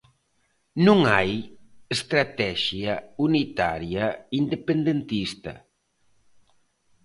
Non hai estratexia unitaria independentista.